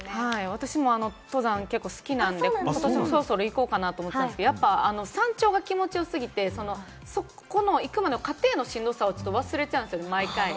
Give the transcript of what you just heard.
私も結構、登山好きなんで、そろそろ行こうかなと思ったんですけれども、山頂が気持ち良すぎて、行くまでの過程のしんどさを忘れちゃうんですよ、毎回。